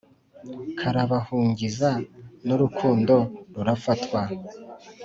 karabahungiza n’urukundo rurafatwa,